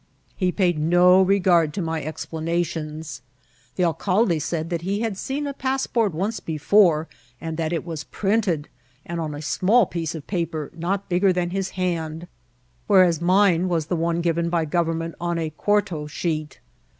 He paid no re gard to my explanations ; the alcalde said that he had seen a passport once before, and that it was printed, and on a small piece of paper not bigger than his hand ; whereas mine was the <Mie given by government on a quarto sheet.